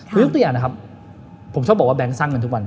คือยกตัวอย่างนะครับผมชอบบอกว่าแก๊งสร้างเงินทุกวัน